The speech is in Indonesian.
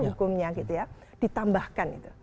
hukumnya gitu ya ditambahkan